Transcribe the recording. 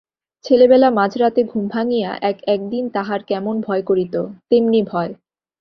ছেলেবেলা মাঝরাতে ঘুম ভাঙিয়া এক একদিন তাহার কেমন ভয় করিত, তেমনি ভয়।